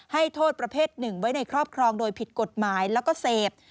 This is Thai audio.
ให้โทษประเภทหนึ่งไว้ในครอบครองโดยผิดกฎหมายแล้วก็เสพ